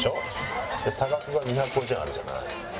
差額が２５０円あるじゃない。